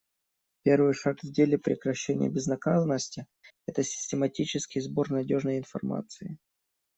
Первый шаг в деле прекращения безнаказанности — это систематический сбор надежной информации.